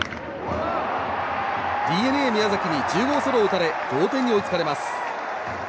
ＤｅＮＡ宮崎に１０号ソロを打たれ同点に追いつかれます。